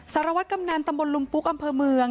สารวัตรกำนันตำบลลุมปุ๊กอำเภอเมือง